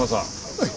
はい。